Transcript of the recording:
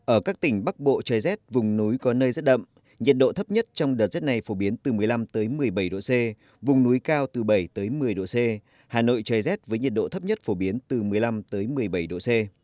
ở các tỉnh bắc bộ trời rét vùng núi có nơi rét đậm nhiệt độ thấp nhất trong đợt rét này phổ biến từ một mươi năm một mươi bảy độ c vùng núi cao từ bảy một mươi độ c hà nội trời rét với nhiệt độ thấp nhất phổ biến từ một mươi năm một mươi bảy độ c